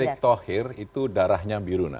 mas erik thohir itu darahnya biru